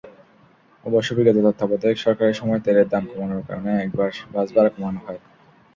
অবশ্য বিগত তত্ত্বাবধায়ক সরকারের সময় তেলের দাম কমানোর কারণে একবার বাসভাড়া কমানো হয়।